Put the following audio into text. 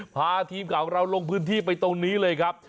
พาทีมข่าวของเราลงพื้นที่ไปตรงนี้เลยครับ